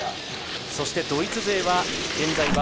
そしてドイツ勢は現在